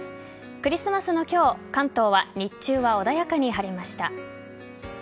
クリスマスの今日関東は日中は穏やかに晴れました。